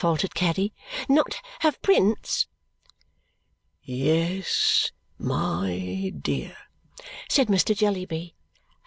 faltered Caddy. "Not have Prince?" "Yes, my dear," said Mr. Jellyby.